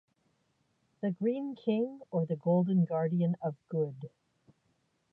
The Green King or the Golden Guardian of Good?